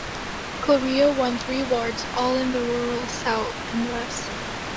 Kilrea won three wards, all in the rural south and west.